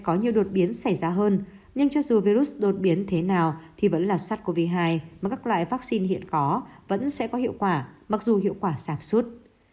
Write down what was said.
có nhiều đột biến xảy ra hơn nhưng cho dù virus đột biến thế nào thì vẫn là sars cov hai mà các loại vaccine hiện có vẫn sẽ có hiệu quả mặc dù hiệu quả giảm suốt